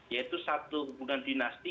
yaitu satu hubungan dinasti